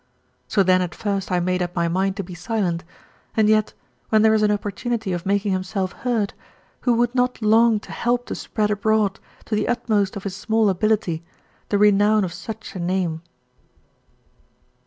So then at first I made up my mind to be silent, and yet when there is an opportunity of making himself heard, who would not long to help to spread abroad, to the utmost of his small ability, the renown of such a name?